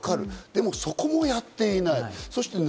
でもそこもやっていない。